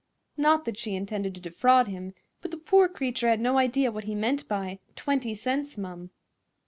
Not that she intended to defraud him, but the poor creature had no idea what he meant by "20 cents, mum."